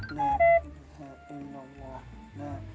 nanti aku zoekan